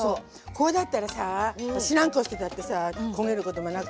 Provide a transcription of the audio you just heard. これだったらさぁ知らん顔してたってさ焦げることもなくね。